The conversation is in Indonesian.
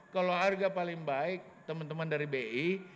kalau harga paling baik teman teman dari bi